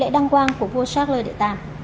lễ đăng quang của vua charles iii